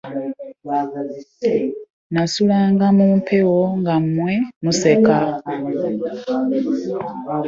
Nasulanga mu mpewo nga mmwe museka.